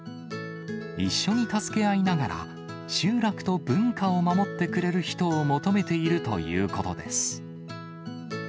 一緒に助け合いながら、集落と文化を守ってくれる人を求めているということです。